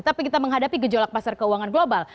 tapi kita menghadapi gejolak pasar keuangan global